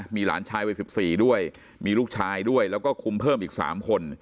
มีหลานชายวัย๑๔ด้วยมีลูกชายด้วยแล้วก็คุมเพิ่มอีก๓คน